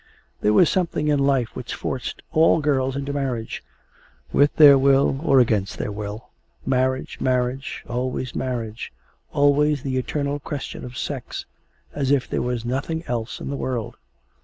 There was something in life which forced all girls into marriage, with their will or against their will. Marriage, marriage, always marriage always the eternal question of sex, as if there was nothing else in the world.